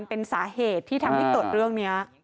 เป็นสาเหตุที่ทำให้เกิดเรื่องนี้